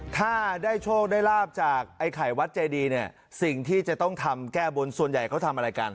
ถ้าได้โชคได้ลาบจากไอ้ไข่วัดเจดีเนี่ยสิ่งที่จะต้องทำแก้บนส่วนใหญ่เขาทำอะไรกัน